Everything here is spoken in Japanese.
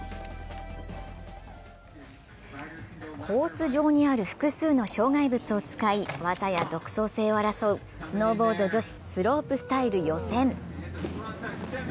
コース上にある複数の障害物を使い技や独創性を争うスノーボード女子スロープスタイル予選。